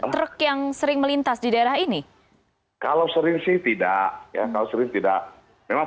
truk yang sering melintas di daerah ini kalau sering sih tidak ya kalau sering tidak memang